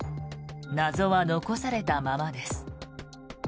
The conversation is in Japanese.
謎は残されたままです。